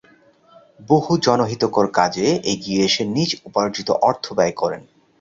বহু জনহিতকর কাজে এগিয়ে এসে নিজ উপার্জিত অর্থ ব্যয় করেন।